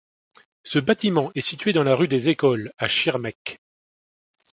Ce bâtiment est situé dans la rue des Écoles, à Schirmeck.